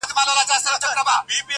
o خپل پر ټولو فیصلو دستي پښېمان سو,